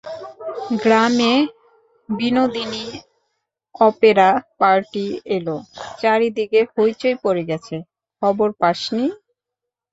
গ্রামে Binodini opera party এল, চারিদিকে হৈচৈ পড়ে গেছে, খবর পাসনি?